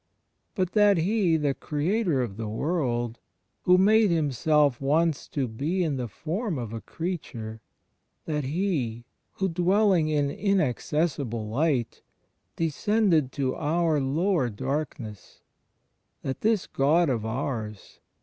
But that He, the Creator of the world, Who made Him self once to be in the form of a creature; that He, Who, dwelling in inaccessible light, descended to our lower darkness — that this God of ours.